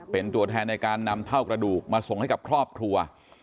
เป็นตัวแทนในการนำเท่ากระดูกมาส่งให้กับครอบครัว